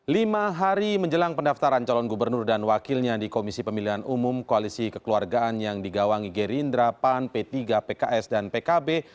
lima hari menjelang pendaftaran calon gubernur dan wakilnya di komisi pemilihan umum koalisi kekeluargaan yang digawangi gerindra pan p tiga pks dan pkb